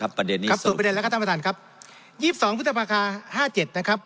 ครับสูตรประเด็นนี้ครับท่านประธานครับ๒๒พุทธภาคา๕๗นะครับ